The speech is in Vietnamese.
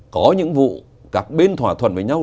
có những vụ các bên thỏa thuận với nhau